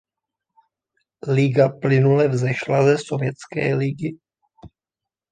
Liga plynule vzešla ze Sovětské ligy.